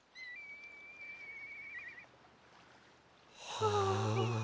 はあ。